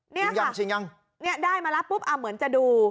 นี่ยังชิงยังเนี่ยได้มาแล้วปุ๊บอ่ะเหมือนจะดู